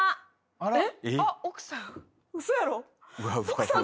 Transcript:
あれ？